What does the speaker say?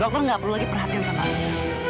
dokter nggak perlu lagi perhatian sama aida